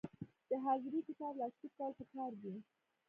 د حاضري کتاب لاسلیک کول پکار دي